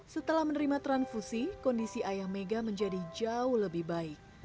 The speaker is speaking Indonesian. setelah menerima transfusi kondisi ayah mega menjadi jauh lebih baik